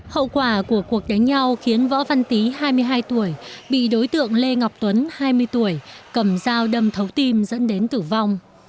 hậu quả của cuộc đánh nhau khiến võ văn tý hai mươi hai tuổi bị đối tượng lê ngọc tuấn hai mươi tuổi cầm dao đâm thấu tim dẫn đến tử vong